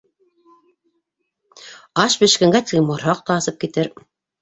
Аш бешкәнгә тиклем ҡорһаҡ та асып китер.